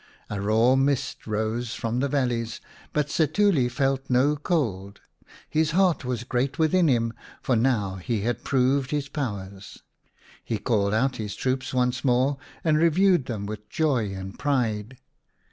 A raw mist rose from the valleys, but Setuli felt no 8 i Or, the King of the Birds cold. His heart was great within him, for now he had proved his powers. He called out his troops once more and reviewed them with joy and pride.